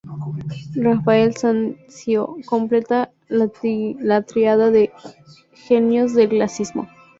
Rafael Sanzio completa la tríada de genios del clasicismo.